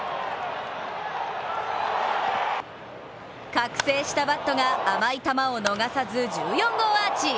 覚醒したバットが、甘い球を逃さず１４号アーチ。